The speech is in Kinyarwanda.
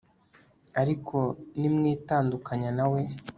ariko nimwitandukanya na we